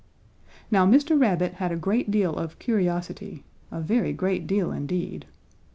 "Now Mr. Rabbit had a great deal of curiosity, a very great deal, indeed.